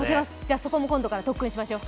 そこも今度から特訓しましょう。